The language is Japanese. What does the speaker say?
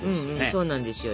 そうなんですよ。